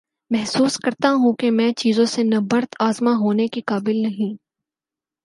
محسوس کرتا ہوں کہ میں چیزوں سے نبرد آزما ہونے کے قابل نہی